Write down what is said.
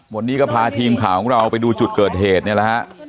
วันนี้ก็พาทีมข่าวของเราไปดูจุดเกิดเหตุนี่แหละฮะ